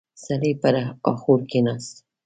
سړی پر اخور کېناست.